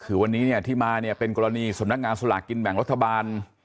คือวันนี้เนี่ยที่มาเนี่ยเป็นกรณีสำนักงานสลากกินแบ่งรัฐบาล